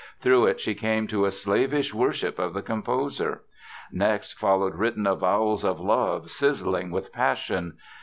Through it she came to a slavish worship of the composer. Next followed written avowals of love sizzling with passion.